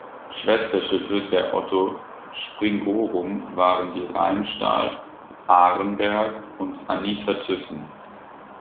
Schwesterschiffe der "Otto Springorum" waren die "Rheinstahl", "Arenberg" und "Anita Thyssen".